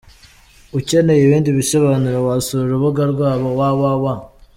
Ukeneye ibindi bisobanuro wasura urubuga rwabo www.